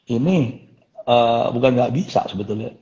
ini bukan nggak bisa sebetulnya